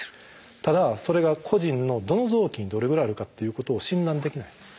ただそれが個人のどの臓器にどれぐらいあるかっていうことを診断できない。